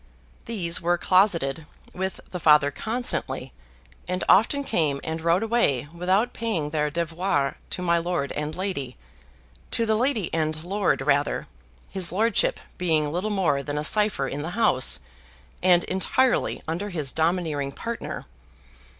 These were closeted with the Father constantly, and often came and rode away without paying their devoirs to my lord and lady to the lady and lord rather his lordship being little more than a cipher in the house, and entirely under his domineering partner.